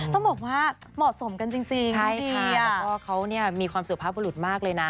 ต้องบอกว่าเหมาะสมกันจริงใช่ค่ะแล้วก็เขาเนี่ยมีความสุภาพบุรุษมากเลยนะ